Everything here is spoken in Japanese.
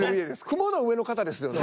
雲の上の方ですよね？